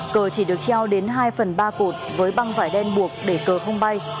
cờ chỉ được treo đến hai phần ba cột với băng vải đen buộc để cờ không bay